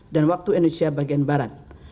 dan waktu indonesia bagian barat